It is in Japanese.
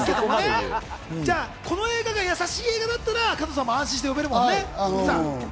この映画がやさしい映画だったら加藤さんも安心して呼べますよね。